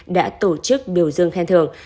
đã tổ chức biểu dương khen thường